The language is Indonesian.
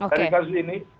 dari kasus ini